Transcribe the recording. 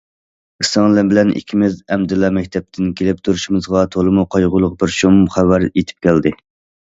سىڭلىم بىلەن ئىككىمىز ئەمدىلا مەكتەپتىن كېلىپ تۇرۇشىمىزغا تولىمۇ قايغۇلۇق بىر شۇم خەۋەر يېتىپ كەلدى.